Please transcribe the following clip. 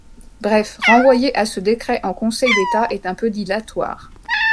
Bref, renvoyer à ce décret en Conseil d’État est un peu dilatoire.